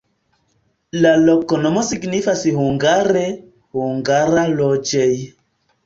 La loknomo signifas hungare: hungara-loĝej'.